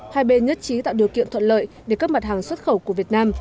hai bên nhất trí tạo điều kiện thuận lợi để các mặt hàng xuất khẩu của việt nam